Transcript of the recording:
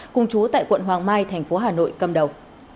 cùng chú tại quận hoàng mai thành phố hà nội cầm đầu